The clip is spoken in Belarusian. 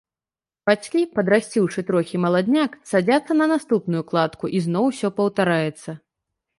Бацькі, падрасціўшы трохі маладняк, садзяцца на наступную кладку, і зноў усё паўтараецца.